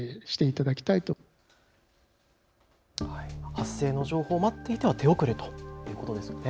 発生の情報を待っていては手遅れということですね。